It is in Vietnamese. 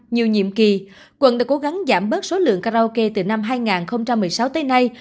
nhiều nhiệm kỳ quận đã cố gắng giảm bớt số lượng karaoke từ năm hai nghìn một mươi sáu tới nay